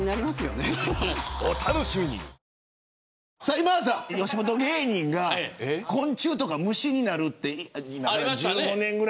今田さん、吉本芸人が昆虫とか虫になるってありましたね。